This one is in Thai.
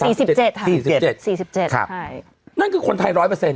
สี่สิบเจ็ดค่ะสี่สิบเจ็ดสี่สิบเจ็ดครับใช่นั่นคือคนไทยร้อยเปอร์เซ็นต์